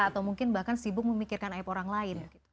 atau mungkin bahkan sibuk memikirkan aib orang lain